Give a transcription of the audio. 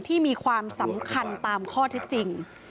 ที่มีความสำคัญตามข้อที่จริง